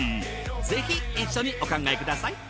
ぜひ一緒にお考えください